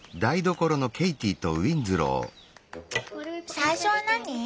最初は何？